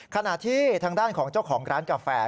ขณะที่ทางด้านของเจ้าของร้านกาแฟ